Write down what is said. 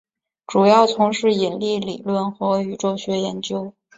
主要从事引力理论和宇宙学研究。